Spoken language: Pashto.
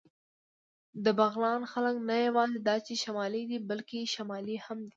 د بغلان خلک نه یواځې دا چې شمالي دي، بلکې شمالي هم دي.